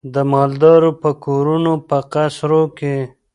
د مالدارو په کورونو په قصرو کي